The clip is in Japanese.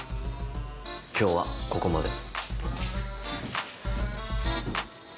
今日はここまで。